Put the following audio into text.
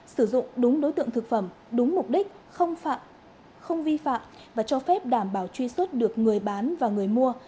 sử dụng đúng đối tượng thực phẩm đúng mục đích không vi phạm và cho phép đảm bảo truy xuất được người bán và người mua